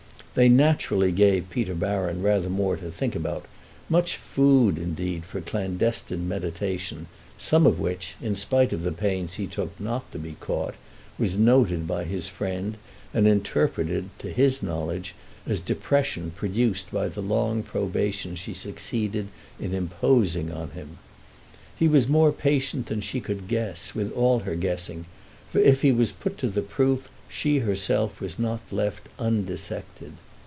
They naturally gave Peter Baron rather more to think about, much food, indeed, for clandestine meditation, some of which, in spite of the pains he took not to be caught, was noted by his friend and interpreted, to his knowledge, as depression produced by the long probation she succeeded in imposing on him. He was more patient than she could guess, with all her guessing, for if he was put to the proof she herself was not left undissected.